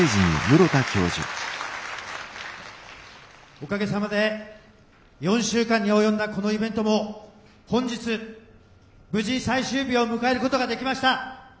おかげさまで４週間に及んだこのイベントも本日無事最終日を迎えることができました。